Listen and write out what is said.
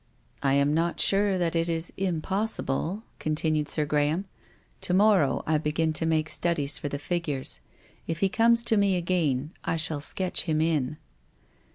" I am not sure that it is impossible," continued Sir Graham. " To morrow I begin to make studies for the figures. If he comes to me again, I shall sketch him in."